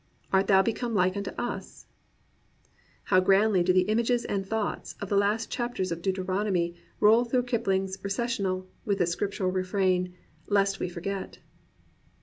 ^ Art thou become like unto us ?" How grandly do the images and thoughts of the last chapters of Deuteronomy roll through Kipling's Recessionaly with its Scriptural refrain, "Lest we forget!"